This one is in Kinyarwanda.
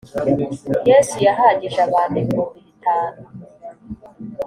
yesu yahagije abantu ibihumbi bitanu .